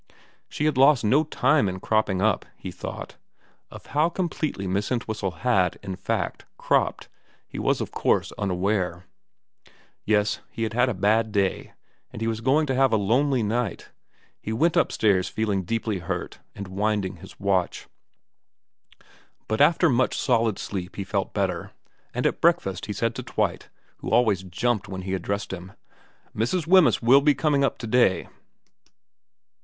She had lost no time in cropping up, he thought. Of how completely Miss Eutwhistle had, in fact, cropped he was of course unaware. Yes, he had had a bad day, and he was going to have a lonely night. He went upstairs feeling deeply hurt, and winding his watch. But after much solid sleep he felt better; and at breakfast he said to Twite, who always jumped when he addressed him, ' Mrs. Wemyss will be coming up to day.'